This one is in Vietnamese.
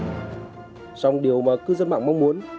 trong điều mà cư dân mạng mong muốn